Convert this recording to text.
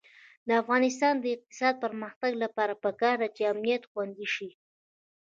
د افغانستان د اقتصادي پرمختګ لپاره پکار ده چې امنیت خوندي شي.